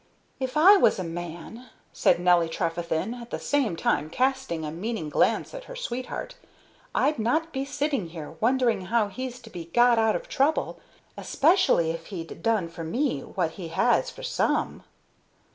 "If I was a man," said Nelly Trefethen, at the same time casting a meaning glance at her sweetheart, "I'd not be sitting here wondering how he's to be got out of trouble, especially if he'd done for me what he has for some."